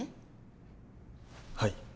はい。